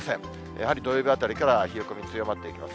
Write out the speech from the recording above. やはり、土曜日あたりから冷え込み強まっていきます。